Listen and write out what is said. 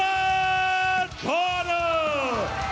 เร็ดคอร์เนอร์